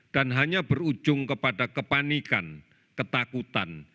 dan hanya berujung kepada kepanikan ketakutan